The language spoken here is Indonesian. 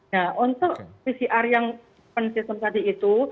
nah untuk pcr yang pen sistem tadi itu